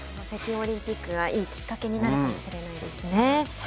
北京オリンピックがいいきっかけになるかもしれないですね。